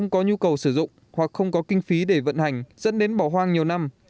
có nhu cầu sử dụng hoặc không có kinh phí để vận hành dẫn đến bỏ hoang nhiều năm